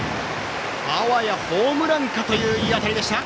あわやホームランかといういい当たりでした。